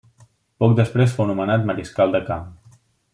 Poc després fou nomenat Mariscal de Camp.